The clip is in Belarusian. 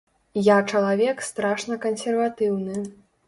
Я чалавек страшна кансерватыўны.